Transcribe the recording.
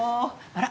あら？